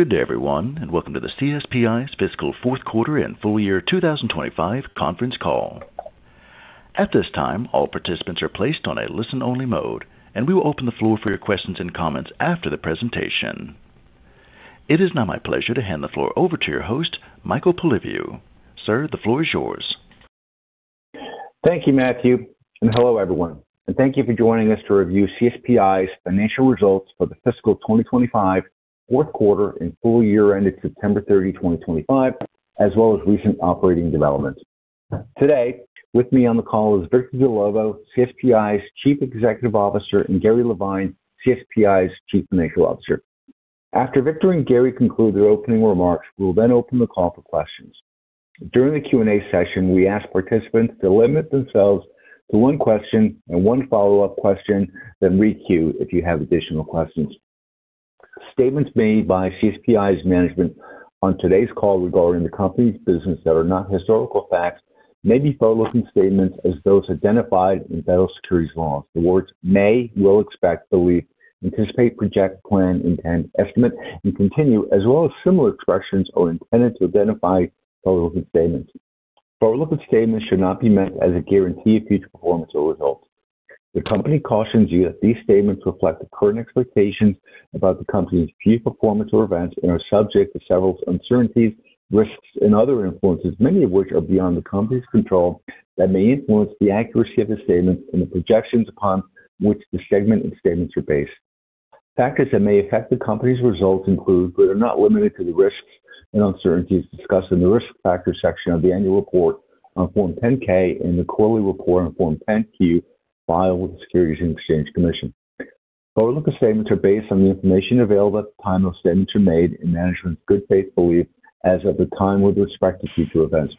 Good day, everyone, and welcome to the CSPI's Fiscal Fourth Quarter and Full Year 2025 Conference Call. At this time, all participants are placed on a listen-only mode, and we will open the floor for your questions and comments after the presentation. It is now my pleasure to hand the floor over to your host, Michael Polyviou. Sir, the floor is yours. Thank you, Matthew, and hello, everyone. Thank you for joining us to review CSPI's financial results for the Fiscal 2025 Fourth Quarter and Full Year ended September 30th, 2025, as well as recent operating developments. Today, with me on the call is Victor Dellovo, CSPI's Chief Executive Officer, and Gary Levine, CSPI's Chief Financial Officer. After Victor and Gary conclude their opening remarks, we'll then open the call for questions. During the Q&A session, we ask participants to limit themselves to one question and one follow-up question, then re-queue if you have additional questions. Statements made by CSPI's management on today's call regarding the company's business that are not historical facts may be forward-looking statements as those identified in federal securities laws. The words "may," "will," "expect," "believe," "anticipate," "project," "plan," "intend," "estimate," and "continue," as well as similar expressions, are intended to identify forward-looking statements. Forward-looking statements should not be taken as a guarantee of future performance or results. The company cautions you that these statements reflect the current expectations about the company's future performance or events and are subject to several uncertainties, risks, and other influences, many of which are beyond the company's control, that may influence the accuracy of the statements and the projections upon which the forward-looking statements are based. Factors that may affect the company's results include, but are not limited to, the risks and uncertainties discussed in the risk factor section of the annual report on Form 10-K and the quarterly report on Form 10-Q filed with the Securities and Exchange Commission. Forward-looking statements are based on the information available at the time those statements are made and management's good faith beliefs as of the time with respect to future events.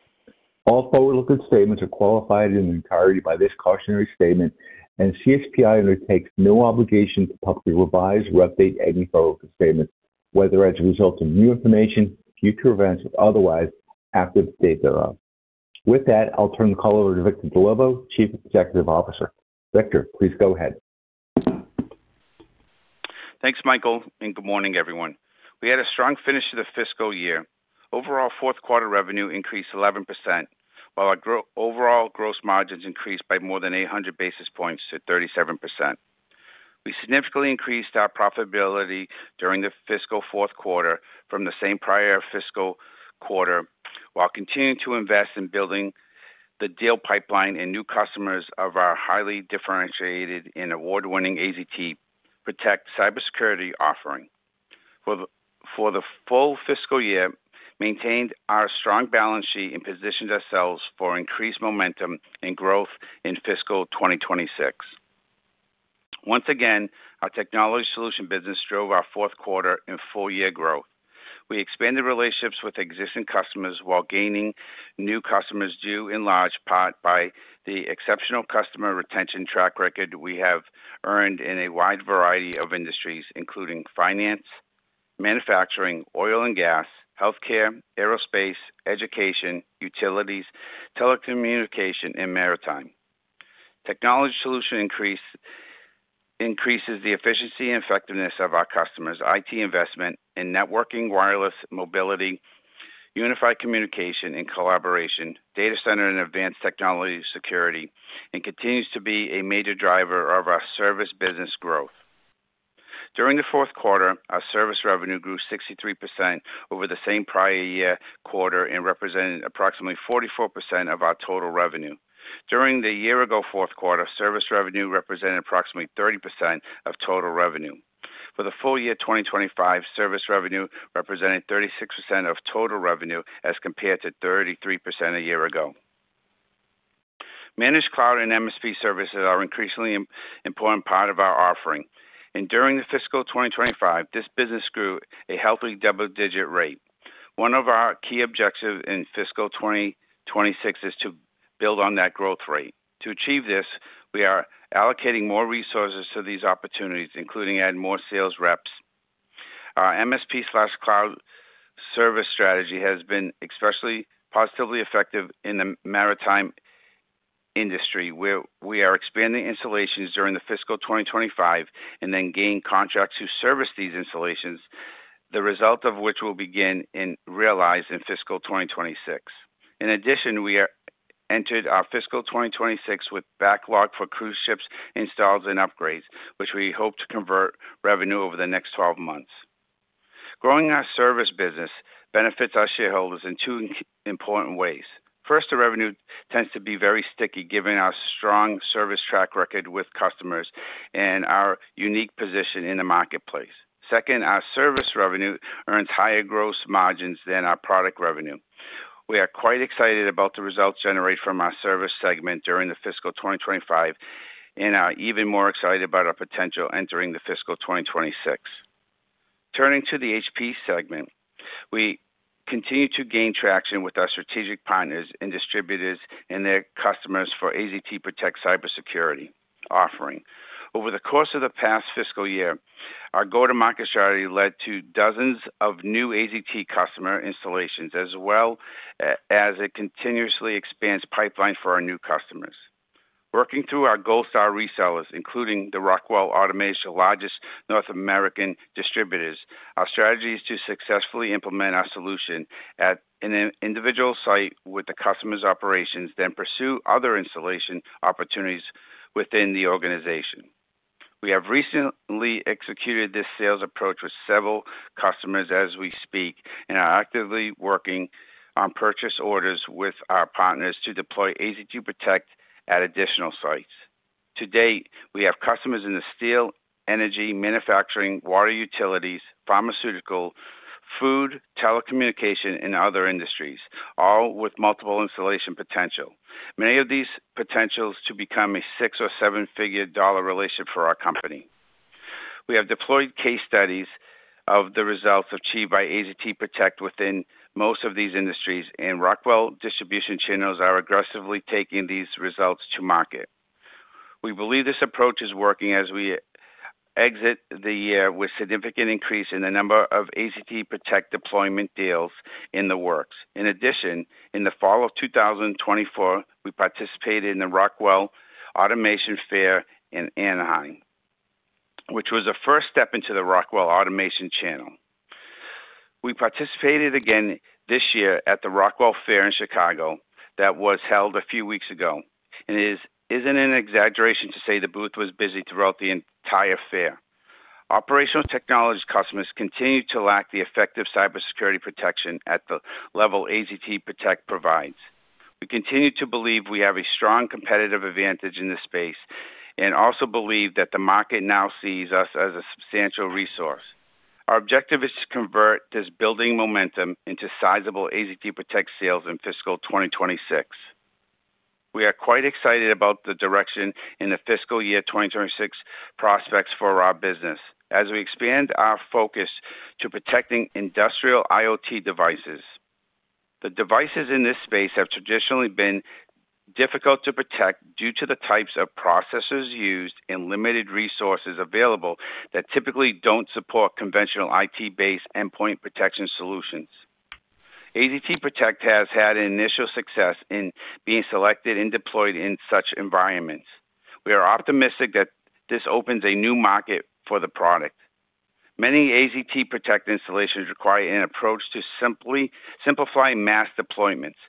All forward-looking statements are qualified in their entirety by this cautionary statement, and CSPI undertakes no obligation to publicly revise or update any forward-looking statements, whether as a result of new information, future events, or otherwise after the date thereof. With that, I'll turn the call over to Victor Dellovo, Chief Executive Officer. Victor, please go ahead. Thanks, Michael, and good morning, everyone. We had a strong finish to the fiscal year. Overall fourth quarter revenue increased 11%, while our overall gross margins increased by more than 800 basis points to 37%. We significantly increased our profitability during the fiscal fourth quarter from the same prior fiscal quarter, while continuing to invest in building the deal pipeline and new customers of our highly differentiated and award-winning AZT PROTECT cybersecurity offering. For the full fiscal year, we maintained our strong balance sheet and positioned ourselves for increased momentum and growth in fiscal 2026. Once again, our technology solution business drove our fourth quarter and full year growth. We expanded relationships with existing customers while gaining new customers due in large part by the exceptional customer retention track record we have earned in a wide variety of industries, including finance, manufacturing, oil and gas, healthcare, aerospace, education, utilities, telecommunication, and maritime. Technology solution increases the efficiency and effectiveness of our customers' IT investment and networking, wireless mobility, unified communication and collaboration, data center, and advanced technology security, and continues to be a major driver of our service business growth. During the fourth quarter, our service revenue grew 63% over the same prior year quarter and represented approximately 44% of our total revenue. During the year-ago fourth quarter, service revenue represented approximately 30% of total revenue. For the full year 2025, service revenue represented 36% of total revenue as compared to 33% a year ago. Managed Cloud and MSP services are an increasingly important part of our offering. During the fiscal 2025, this business grew at a healthy double-digit rate. One of our key objectives in fiscal 2026 is to build on that growth rate. To achieve this, we are allocating more resources to these opportunities, including adding more sales reps. Our MSP/cloud service strategy has been especially positively effective in the maritime industry, where we are expanding installations during the fiscal 2025 and then gaining contracts to service these installations, the result of which will begin to be realized in fiscal 2026. In addition, we entered our fiscal 2026 with backlog for cruise ships installed and upgrades, which we hope to convert to revenue over the next 12 months. Growing our service business benefits our shareholders in two important ways. First, the revenue tends to be very sticky, given our strong service track record with customers and our unique position in the marketplace. Second, our service revenue earns higher gross margins than our product revenue. We are quite excited about the results generated from our service segment during the fiscal 2025, and are even more excited about our potential entering the fiscal 2026. Turning to the HPC segment, we continue to gain traction with our strategic partners and distributors and their customers for AZT PROTECT cybersecurity offering. Over the course of the past fiscal year, our go-to-market strategy led to dozens of new AZT customer installations, as well as a continuously expanded pipeline for our new customers. Working through our Gold Star resellers, including the Rockwell Automation, largest North American distributors, our strategy is to successfully implement our solution at an individual site with the customer's operations, then pursue other installation opportunities within the organization. We have recently executed this sales approach with several customers as we speak, and are actively working on purchase orders with our partners to deploy AZT PROTECT at additional sites. To date, we have customers in the steel, energy, manufacturing, water utilities, pharmaceutical, food, telecommunication, and other industries, all with multiple installation potential. Many of these potentials to become a six or seven-figure dollar relationship for our company. We have deployed case studies of the results achieved by AZT PROTECT within most of these industries, and Rockwell Distribution channels are aggressively taking these results to market. We believe this approach is working as we exit the year with a significant increase in the number of AZT PROTECT deployment deals in the works. In addition, in the fall of 2024, we participated in the Rockwell Automation Fair in Anaheim, which was a first step into the Rockwell Automation channel. We participated again this year at the Rockwell Automation Fair in Chicago that was held a few weeks ago, and it isn't an exaggeration to say the booth was busy throughout the entire fair. Operational technology customers continue to lack the effective cybersecurity protection at the level AZT PROTECT provides. We continue to believe we have a strong competitive advantage in this space and also believe that the market now sees us as a substantial resource. Our objective is to convert this building momentum into sizable AZT PROTECT sales in fiscal 2026. We are quite excited about the direction in the fiscal year 2026 prospects for our business as we expand our focus to protecting Industrial IoT devices. The devices in this space have traditionally been difficult to protect due to the types of processors used and limited resources available that typically don't support conventional IT-based endpoint protection solutions. AZT PROTECT has had initial success in being selected and deployed in such environments. We are optimistic that this opens a new market for the product. Many AZT PROTECT installations require an approach to simplify mass deployments.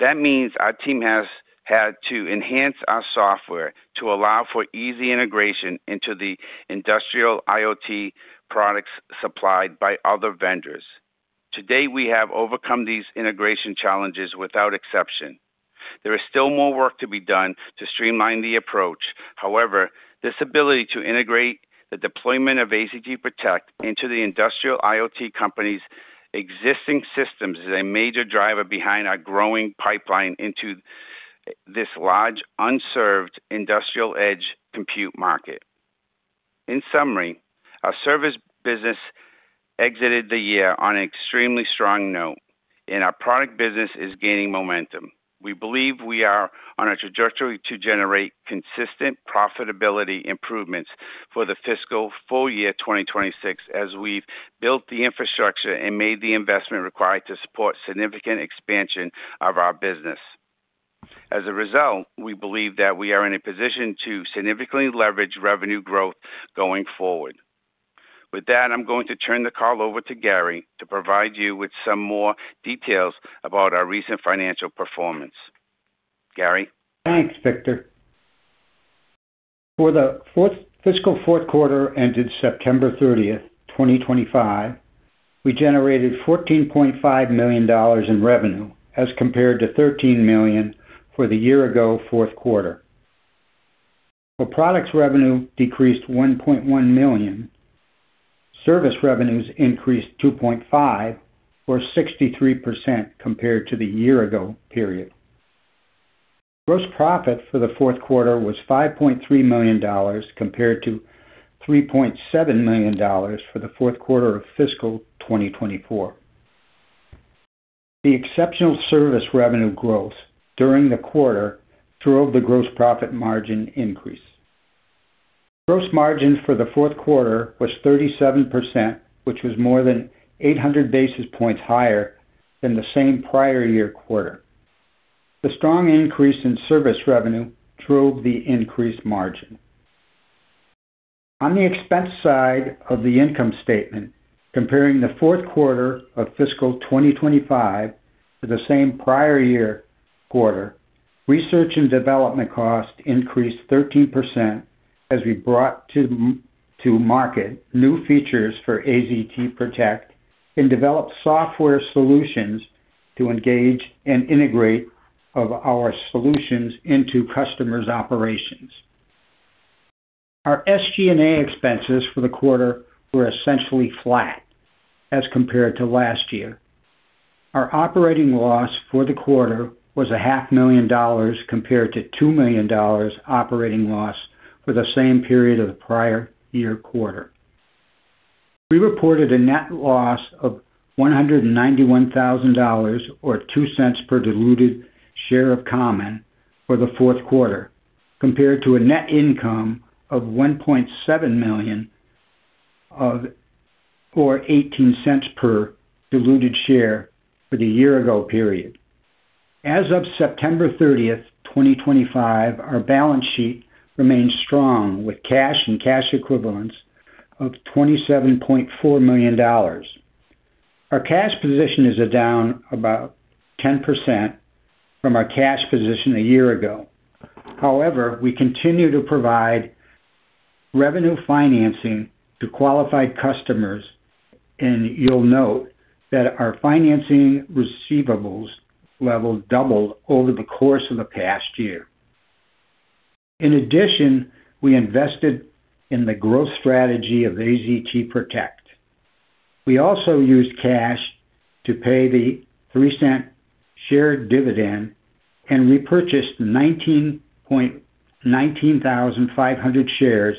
That means our team has had to enhance our software to allow for easy integration into the industrial IoT products supplied by other vendors. Today, we have overcome these integration challenges without exception. There is still more work to be done to streamline the approach. However, this ability to integrate the deployment of AZT PROTECT into the industrial IoT company's existing systems is a major driver behind our growing pipeline into this large, unserved industrial edge compute market. In summary, our service business exited the year on an extremely strong note, and our product business is gaining momentum. We believe we are on a trajectory to generate consistent profitability improvements for the fiscal full year 2026 as we've built the infrastructure and made the investment required to support significant expansion of our business. As a result, we believe that we are in a position to significantly leverage revenue growth going forward. With that, I'm going to turn the call over to Gary to provide you with some more details about our recent financial performance. Gary. Thanks, Victor. For the fiscal fourth quarter ended September 30th, 2025, we generated $14.5 million in revenue as compared to $13 million for the year-ago fourth quarter. For products, revenue decreased $1.1 million. Service revenues increased $2.5 million, or 63% compared to the year-ago period. Gross profit for the fourth quarter was $5.3 million compared to $3.7 million for the fourth quarter of fiscal 2024. The exceptional service revenue growth during the quarter drove the gross profit margin increase. Gross margin for the fourth quarter was 37%, which was more than 800 basis points higher than the same prior year quarter. The strong increase in service revenue drove the increased margin. On the expense side of the income statement, comparing the fourth quarter of fiscal 2025 to the same prior year quarter, research and development costs increased 13% as we brought to market new features for AZT PROTECT and developed software solutions to engage and integrate our solutions into customers' operations. Our SG&A expenses for the quarter were essentially flat as compared to last year. Our operating loss for the quarter was $500,000 compared to $2 million operating loss for the same period of the prior year quarter. We reported a net loss of $191,000 or $0.02 per diluted share of common for the fourth quarter compared to a net income of $1.7 million or $0.18 per diluted share for the year-ago period. As of September 30th, 2025, our balance sheet remains strong with cash and cash equivalents of $27.4 million. Our cash position is down about 10% from our cash position a year ago. However, we continue to provide revenue financing to qualified customers, and you'll note that our financing receivables level doubled over the course of the past year. In addition, we invested in the growth strategy of AZT PROTECT. We also used cash to pay the $0.03 share dividend and repurchased 19,500 shares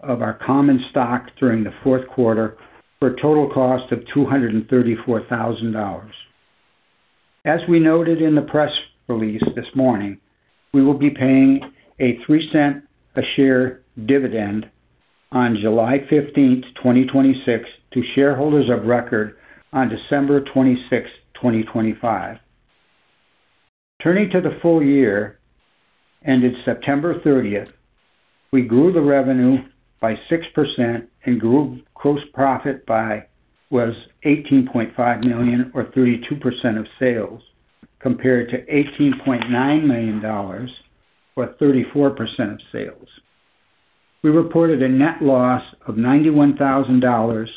of our common stock during the fourth quarter for a total cost of $234,000. As we noted in the press release this morning, we will be paying a $0.03 a share dividend on July 15th, 2026, to shareholders of record on December 26th, 2025. Turning to the full year ended September 30th, we grew the revenue by 6% and grew gross profit to $18.5 million or 32% of sales compared to $18.9 million or 34% of sales. We reported a net loss of $91,000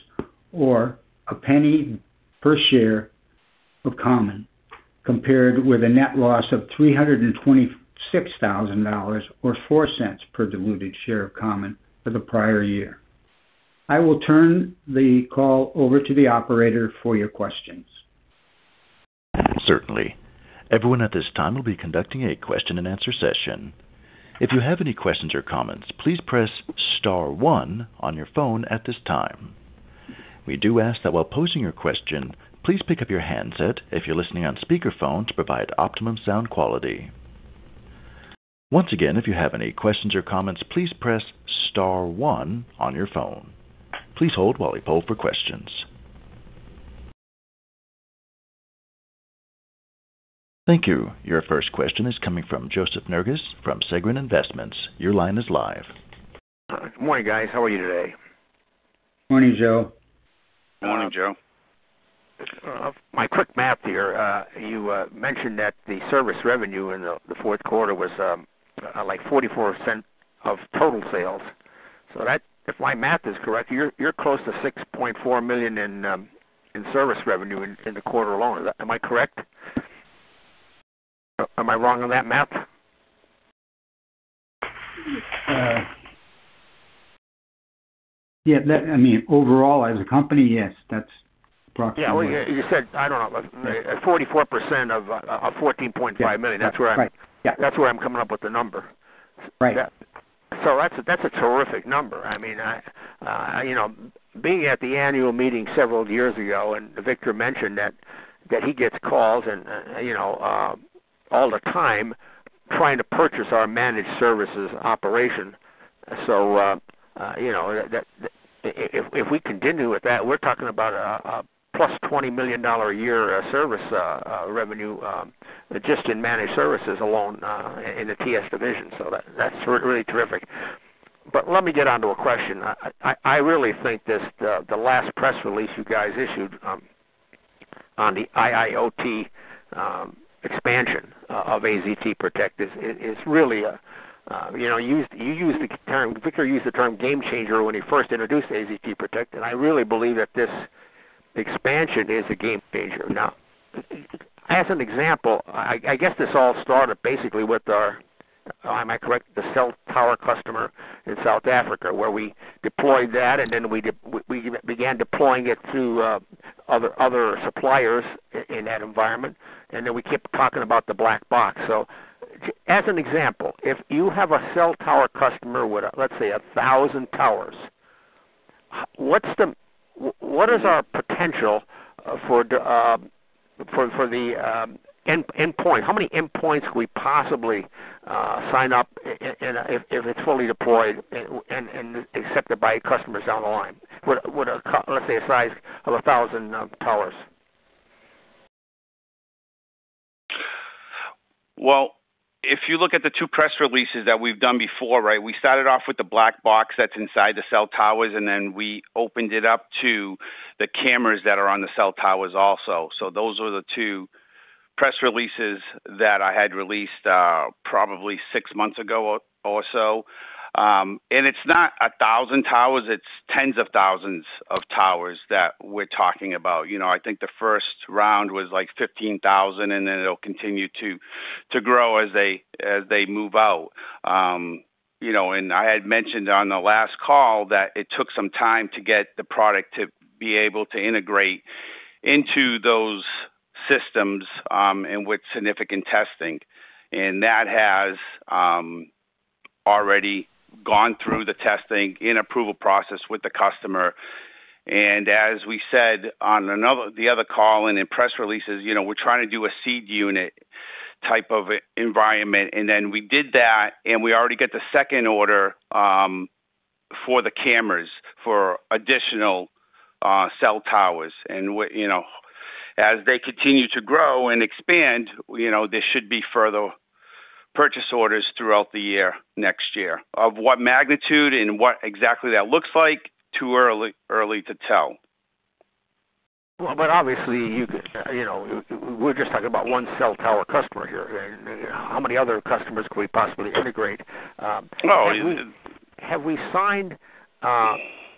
or $0.01 per share of common compared with a net loss of $326,000 or $0.04 per diluted share of common for the prior year. I will turn the call over to the operator for your questions. Certainly. Everyone at this time will be conducting a question-and-answer session. If you have any questions or comments, please press star one on your phone at this time. We do ask that while posing your question, please pick up your handset if you're listening on speakerphone to provide optimum sound quality. Once again, if you have any questions or comments, please press star one on your phone. Please hold while we poll for questions. Thank you. Your first question is coming from Joseph Nerges from Segren Investments. Your line is live. Good morning, guys. How are you today? Morning, Joe. Morning, Joe. My quick math here. You mentioned that the service revenue in the fourth quarter was like $0.44 of total sales. So if my math is correct, you're close to $6.4 million in service revenue in the quarter alone. Am I correct? Am I wrong on that math? Yeah. I mean, overall, as a company, yes, that's approximately. Yeah. Well, you said, I don't know, 44% of $14.5 million. That's where I'm coming up with the number. So that's a terrific number. I mean, being at the annual meeting several years ago, and Victor mentioned that he gets calls all the time trying to purchase our managed services operation. So if we continue with that, we're talking about a plus $20 million a year service revenue just in managed services alone in the TS division. So that's really terrific. But let me get on to a question. I really think the last press release you guys issued on the IIoT expansion of AZT PROTECT is really a—you used the term—Victor used the term game changer when he first introduced AZT PROTECT. And I really believe that this expansion is a game changer. Now, as an example, I guess this all started basically with our (am I correct?) the cell tower customer in South Africa, where we deployed that, and then we began deploying it through other suppliers in that environment, and then we kept talking about the black box, so as an example, if you have a cell tower customer with, let's say, 1,000 towers, what is our potential for the endpoint? How many endpoints could we possibly sign up if it's fully deployed and accepted by customers down the line with, let's say, a size of 1,000 towers, well, if you look at the two press releases that we've done before, right, we started off with the black box that's inside the cell towers, and then we opened it up to the cameras that are on the cell towers also. So those were the two press releases that I had released probably six months ago or so. And it's not 1,000 towers. It's tens of thousands of towers that we're talking about. I think the first round was like 15,000, and then it'll continue to grow as they move out. And I had mentioned on the last call that it took some time to get the product to be able to integrate into those systems and with significant testing. And that has already gone through the testing and approval process with the customer. And as we said on the other call and in press releases, we're trying to do a seed unit type of environment. And then we did that, and we already got the second order for the cameras for additional cell towers. As they continue to grow and expand, there should be further purchase orders throughout the year next year. Of what magnitude and what exactly that looks like, too early to tell. But obviously, we're just talking about one cell tower customer here. How many other customers could we possibly integrate?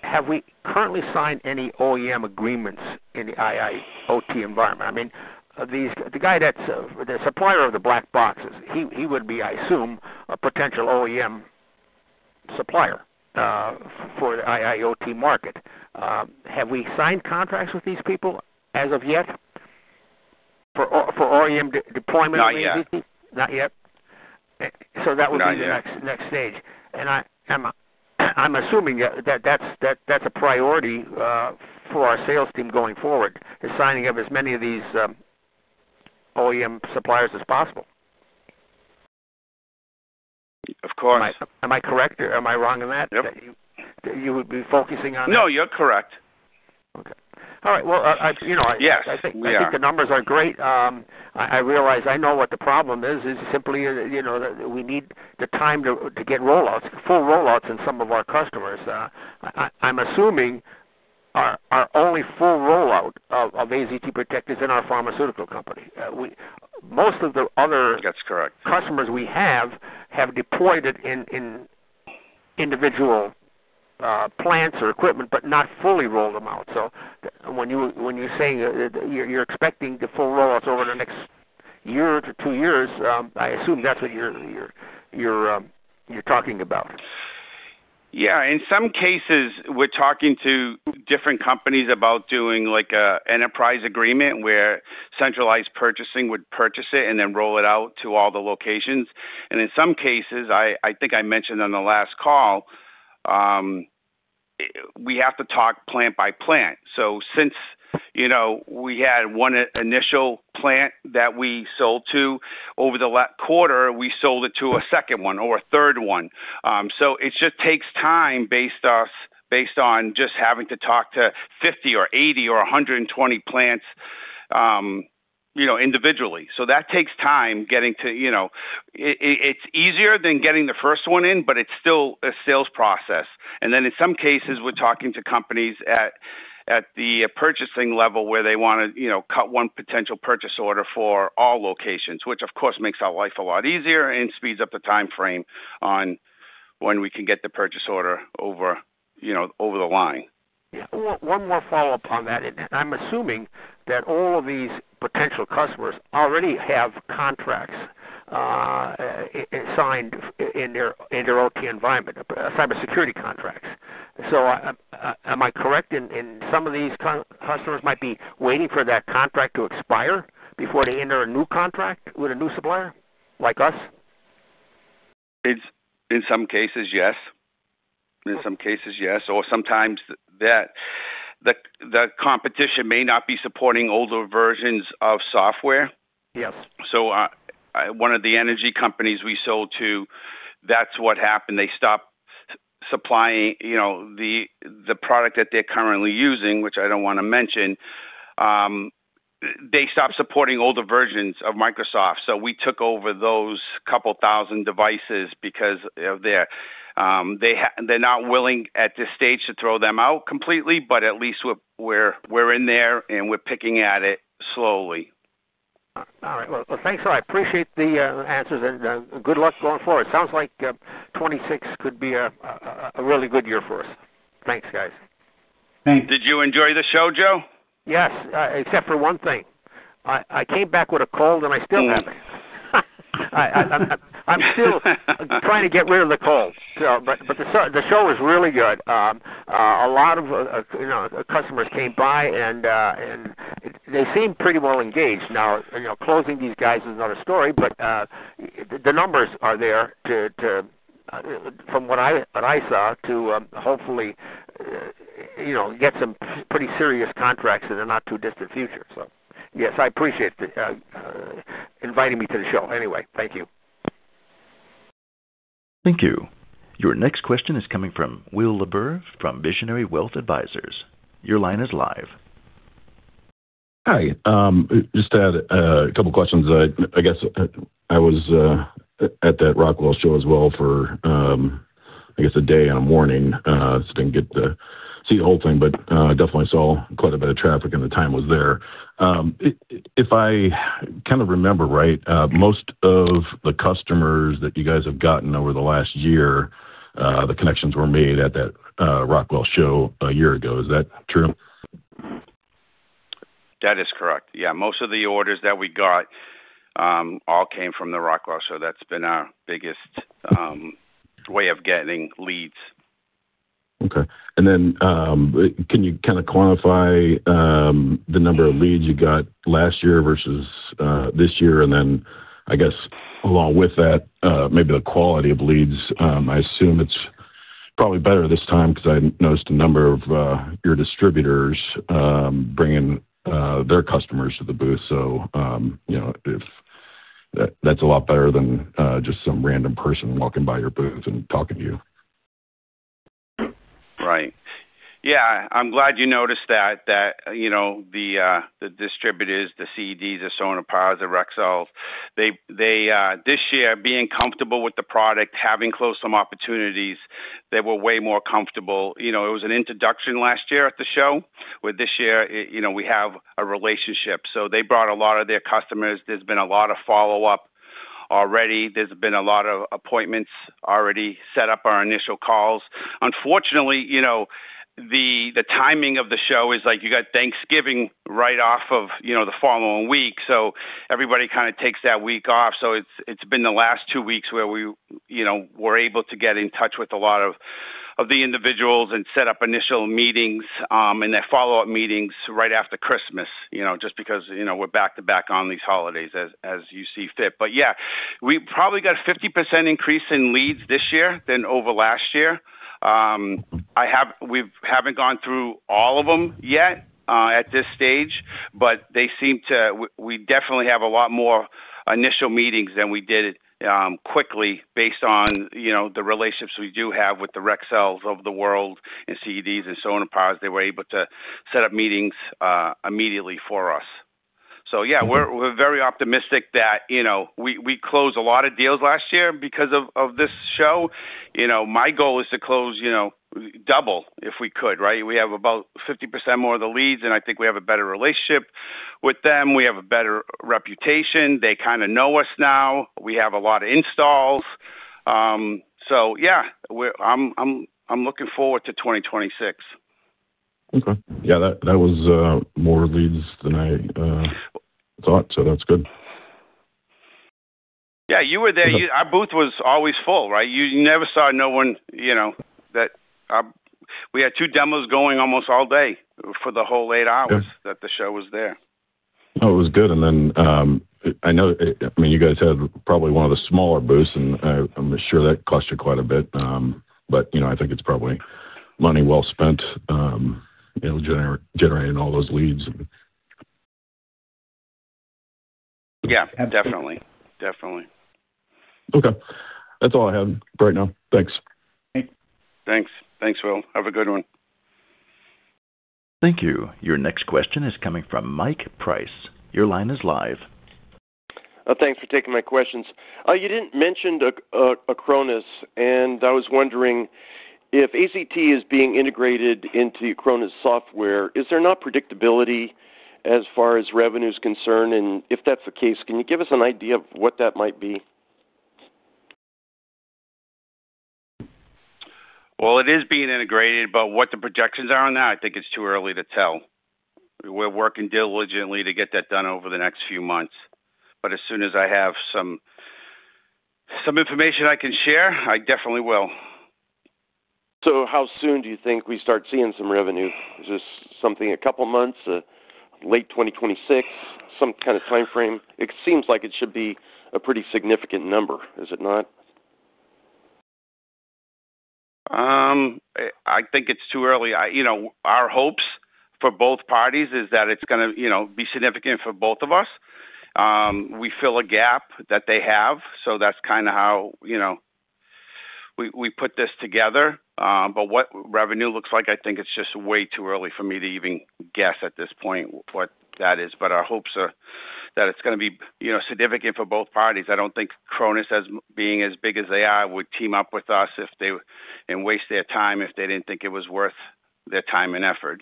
Have we currently signed any OEM agreements in the IIoT environment? I mean, the guy that's the supplier of the black boxes, he would be, I assume, a potential OEM supplier for the IIoT market. Have we signed contracts with these people as of yet for OEM deployment? Not yet. Not yet? So that would be the next stage. And I'm assuming that that's a priority for our sales team going forward, the signing of as many of these OEM suppliers as possible. Of course. Am I correct? Am I wrong on that? Yep. That you would be focusing on? No, you're correct. Okay. All right. Well, I think the numbers are great. I realize I know what the problem is, is simply that we need the time to get full rollouts in some of our customers. I'm assuming our only full rollout of AZT PROTECT is in our pharmaceutical company. Most of the other. That's correct. Customers we have deployed it in individual plants or equipment but not fully rolled them out, so when you're saying you're expecting the full rollouts over the next year to two years, I assume that's what you're talking about. Yeah. In some cases, we're talking to different companies about doing an enterprise agreement where centralized purchasing would purchase it and then roll it out to all the locations, and in some cases, I think I mentioned on the last call, we have to talk plant by plant. So since we had one initial plant that we sold to over the quarter, we sold it to a second one or a third one, so it just takes time based on just having to talk to 50 or 80 or 120 plants individually, so that takes time getting to. It's easier than getting the first one in, but it's still a sales process. And then in some cases, we're talking to companies at the purchasing level where they want to cut one potential purchase order for all locations, which, of course, makes our life a lot easier and speeds up the timeframe on when we can get the purchase order over the line. One more follow-up on that. And I'm assuming that all of these potential customers already have contracts signed in their OT environment, cybersecurity contracts. So am I correct in some of these customers might be waiting for that contract to expire before they enter a new contract with a new supplier like us? In some cases, yes. In some cases, yes. Or sometimes the competition may not be supporting older versions of software. So one of the energy companies we sold to, that's what happened. They stopped supplying the product that they're currently using, which I don't want to mention. They stopped supporting older versions of Microsoft. So we took over those couple thousand devices because they're not willing at this stage to throw them out completely, but at least we're in there and we're picking at it slowly. All right, well, thanks. I appreciate the answers, and good luck going forward. Sounds like 2026 could be a really good year for us. Thanks, guys. Thanks. Did you enjoy the show, Joe? Yes, except for one thing. I came back with a cold, and I still have it. I'm still trying to get rid of the cold. But the show was really good. A lot of customers came by, and they seem pretty well engaged. Now, closing these guys is another story, but the numbers are there from what I saw to hopefully get some pretty serious contracts in the not-too-distant future. So yes, I appreciate inviting me to the show. Anyway, thank you. Thank you. Your next question is coming from Will Lauber from Visionary Wealth Advisors. Your line is live. Hi. Just had a couple of questions. I guess I was at that Rockwell show as well for, I guess, a day and a morning so I didn't get to see the whole thing, but definitely saw quite a bit of traffic, and the time was there. If I kind of remember right, most of the customers that you guys have gotten over the last year, the connections were made at that Rockwell show a year ago. Is that true? That is correct. Yeah. Most of the orders that we got all came from the Rockwell show. That's been our biggest way of getting leads. Okay. And then can you kind of quantify the number of leads you got last year versus this year? And then, I guess, along with that, maybe the quality of leads. I assume it's probably better this time because I noticed a number of your distributors bringing their customers to the booth. So that's a lot better than just some random person walking by your booth and talking to you. Right. Yeah. I'm glad you noticed that the distributors, the CEDs, the Sonepar, the Rexels, this year, being comfortable with the product, having closed some opportunities, they were way more comfortable. It was an introduction last year at the show, where this year we have a relationship. So they brought a lot of their customers. There's been a lot of follow-up already. There's been a lot of appointments already set up, our initial calls. Unfortunately, the timing of the show is like you got Thanksgiving right off of the following week. So everybody kind of takes that week off. So it's been the last two weeks where we were able to get in touch with a lot of the individuals and set up initial meetings and their follow-up meetings right after Christmas just because we're back-to-back on these holidays as you see fit. But yeah, we probably got a 50% increase in leads this year than over last year. We haven't gone through all of them yet at this stage, but we definitely have a lot more initial meetings than we did quickly based on the relationships we do have with the Rexels of the world and CEDs and Sonepar. They were able to set up meetings immediately for us. So yeah, we're very optimistic that we closed a lot of deals last year because of this show. My goal is to close double if we could, right? We have about 50% more of the leads, and I think we have a better relationship with them. We have a better reputation. They kind of know us now. We have a lot of installs. So yeah, I'm looking forward to 2026. Okay. Yeah. That was more leads than I thought, so that's good. Yeah. Our booth was always full, right? You never saw no one that we had two demos going almost all day for the whole eight hours that the show was there. Oh, it was good, and then I know, I mean, you guys have probably one of the smaller booths, and I'm sure that cost you quite a bit, but I think it's probably money well spent generating all those leads. Yeah. Definitely. Okay. That's all I have right now. Thanks. Thanks. Thanks, Will. Have a good one. Thank you. Your next question is coming from Mike Price. Your line is live. Thanks for taking my questions. You didn't mention Acronis, and I was wondering if AZT is being integrated into Acronis software, is there not predictability as far as revenue is concerned? And if that's the case, can you give us an idea of what that might be? It is being integrated, but what the projections are on that, I think it's too early to tell. We're working diligently to get that done over the next few months. But as soon as I have some information I can share, I definitely will. So how soon do you think we start seeing some revenue? Is this something a couple of months, late 2026, some kind of timeframe? It seems like it should be a pretty significant number, is it not? I think it's too early. Our hopes for both parties is that it's going to be significant for both of us. We fill a gap that they have. So that's kind of how we put this together. But what revenue looks like, I think it's just way too early for me to even guess at this point what that is. But our hopes are that it's going to be significant for both parties. I don't think Acronis being as big as they are would team up with us and waste their time if they didn't think it was worth their time and effort.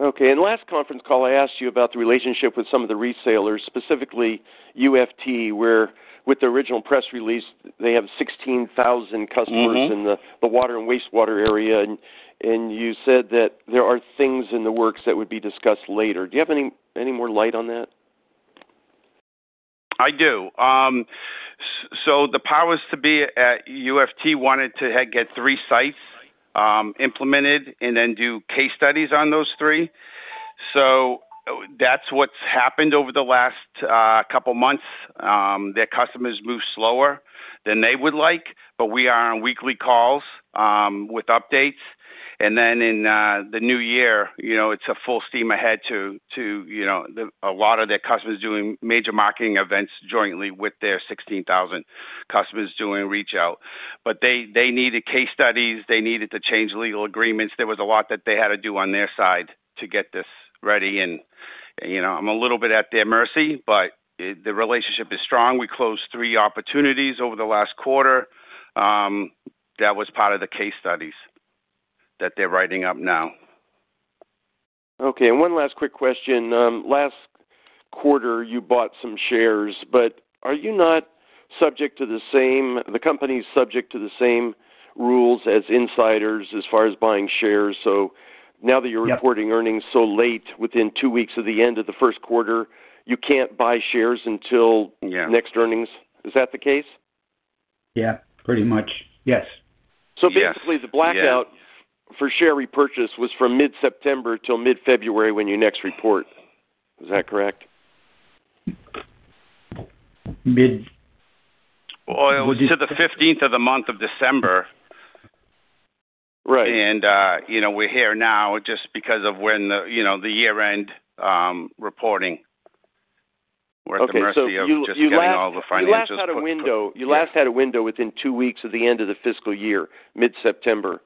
Okay. And last conference call, I asked you about the relationship with some of the resellers, specifically UFT, where with the original press release, they have 16,000 customers in the water and wastewater area. And you said that there are things in the works that would be discussed later. Do you have any more light on that? I do. So the powers that be at UFT wanted to get three sites implemented and then do case studies on those three. So that's what's happened over the last couple of months. Their customers move slower than they would like, but we are on weekly calls with updates. And then in the new year, it's a full steam ahead to a lot of their customers doing major marketing events jointly with their 16,000 customers doing reach out. But they needed case studies. They needed to change legal agreements. There was a lot that they had to do on their side to get this ready. And I'm a little bit at their mercy, but the relationship is strong. We closed three opportunities over the last quarter. That was part of the case studies that they're writing up now. Okay. And one last quick question. Last quarter, you bought some shares, but are you not subject to the same rules the company is subject to as insiders as far as buying shares? So now that you're reporting earnings so late within two weeks of the end of the first quarter, you can't buy shares until next earnings. Is that the case? Yeah. Pretty much. Yes. So basically, the blackout for share repurchase was from mid-September till mid-February when you next report. Is that correct? Mid-it was to the 15th of the month of December. We're here now just because of when the year-end reporting. We're at the mercy of just getting all the financial stuff. You last had a window within two weeks of the end of the fiscal year, mid-September.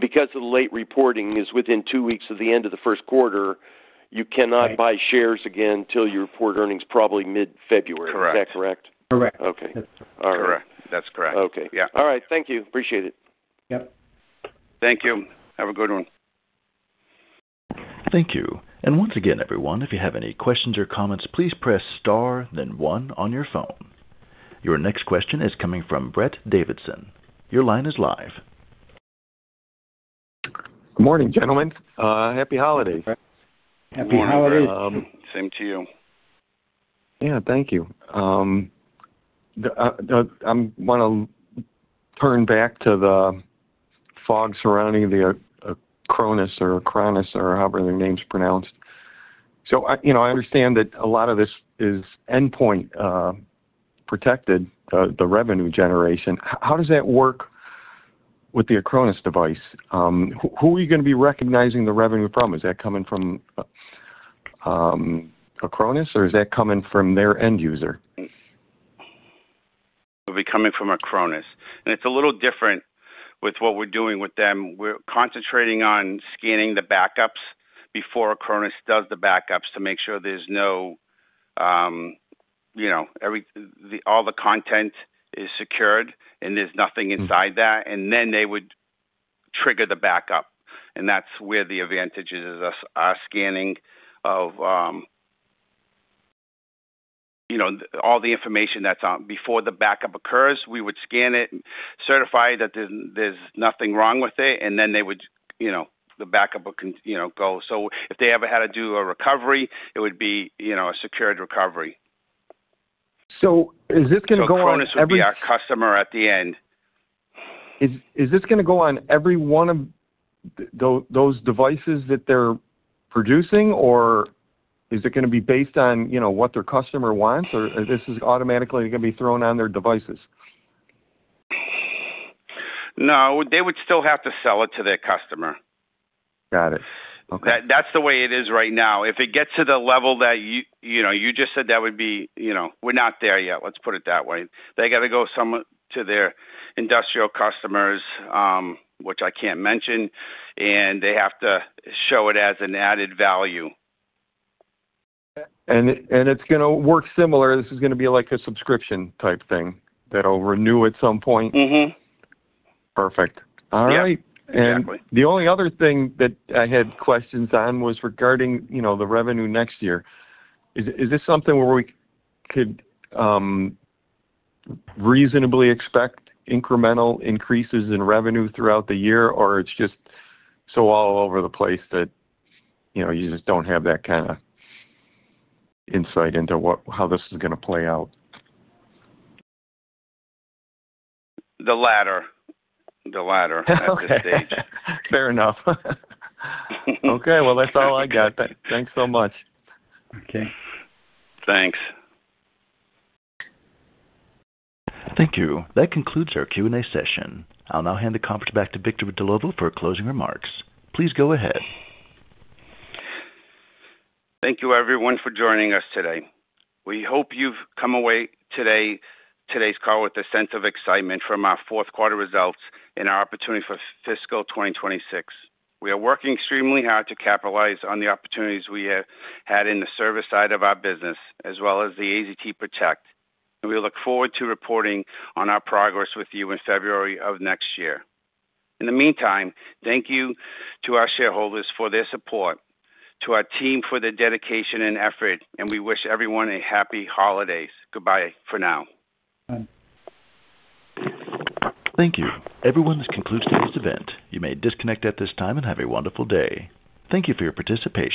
Because the late reporting is within two weeks of the end of the first quarter, you cannot buy shares again until you report earnings probably mid-February. Is that correct? Correct. That's correct. Yeah. All right. Thank you. Appreciate it. Yep. Thank you. Have a good one. Thank you. And once again, everyone, if you have any questions or comments, please press star, then one on your phone. Your next question is coming from Brett Davidson. Your line is live. Good morning, gentlemen. Happy holidays. Happy holidays. Same to you. Yeah. Thank you. I want to turn back to the fog surrounding the Acronis or Acronis or however their name's pronounced. So I understand that a lot of this is endpoint protection, the revenue generation. How does that work with the Acronis device? Who are you going to be recognizing the revenue from? Is that coming from Acronis, or is that coming from their end user? It'll be coming from Acronis. And it's a little different with what we're doing with them. We're concentrating on scanning the backups before Acronis does the backups to make sure there's no all the content is secured, and there's nothing inside that. And then they would trigger the backup. And that's where the advantage is, is our scanning of all the information that's on. Before the backup occurs, we would scan it, certify that there's nothing wrong with it, and then they would the backup would go. So if they ever had to do a recovery, it would be a secured recovery. So is this going to go on every? Acronis would be our customer at the end. Is this going to go on every one of those devices that they're producing, or is it going to be based on what their customer wants, or this is automatically going to be thrown on their devices? No. They would still have to sell it to their customer. Got it. Okay. That's the way it is right now. If it gets to the level that you just said, that would be we're not there yet. Let's put it that way. They got to go to their industrial customers, which I can't mention, and they have to show it as an added value. And it's going to work similar. This is going to be like a subscription type thing that will renew at some point? Mm-hmm. Perfect. All right. Yeah. Exactly. The only other thing that I had questions on was regarding the revenue next year. Is this something where we could reasonably expect incremental increases in revenue throughout the year, or it's just so all over the place that you just don't have that kind of insight into how this is going to play out? The latter. The latter at this stage. Fair enough. Okay. Well, that's all I got. Thanks so much. Okay. Thanks. Thank you. That concludes our Q&A session. I'll now hand the conference back to Victor Dellovo for closing remarks. Please go ahead. Thank you, everyone, for joining us today. We hope you've come away today, today's call, with a sense of excitement from our fourth quarter results and our opportunity for fiscal 2026. We are working extremely hard to capitalize on the opportunities we had in the service side of our business, as well as the AZT PROTECT. And we look forward to reporting on our progress with you in February of next year. In the meantime, thank you to our shareholders for their support, to our team for their dedication and effort, and we wish everyone a happy holidays. Goodbye for now. Bye. Thank you. Everyone, this concludes today's event. You may disconnect at this time and have a wonderful day. Thank you for your participation.